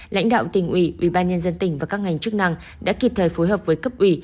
lãnh đạo tỉnh ủy ubnd tỉnh và các ngành chức năng đã kịp thời phối hợp với cấp ủy